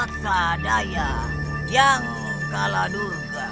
selaksa daya yang kaladurga